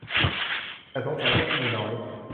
แต่สงสัยเก้าอี้มีน้อย